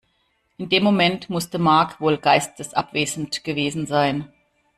In dem Moment musste Mark wohl geistesabwesend gewesen sein.